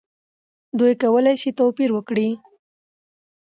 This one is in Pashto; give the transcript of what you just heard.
دوی کولی شي توپیر وکړي.